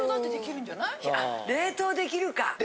あ冷凍できるか。